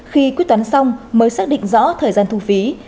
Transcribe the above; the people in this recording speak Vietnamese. khi quyết toán xong mới xác định rõ thời gian thu phí